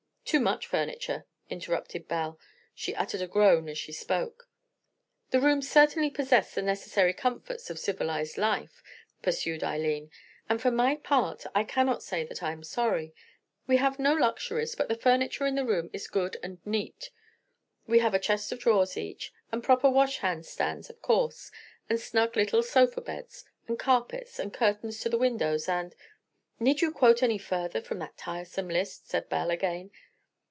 "Too much furniture," interrupted Belle. She uttered a groan as she spoke. "The rooms certainly possess the necessary comforts of civilized life," pursued Eileen, "and for my part I cannot say that I am sorry. We have no luxuries; but the furniture in the room is good and neat. We have a chest of drawers each, and proper washhand stands of course, and snug little sofa beds, and carpets, and curtains to the windows, and——" "Need you quote any further from that tiresome list?" said Belle again.